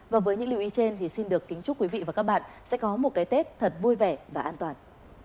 và với những lưu ý trên thì xin được kính chúc quý vị và các bạn sẽ có một cái tết thật vui vẻ và an toàn